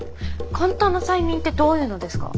簡単な催眠ってどういうのですか？